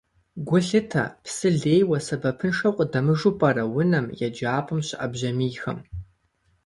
Гу лъытэ, псы лейуэ, сэбэпыншэу къыдэмыжу пӀэрэ унэм, еджапӀэм щыӀэ бжьамийхэм.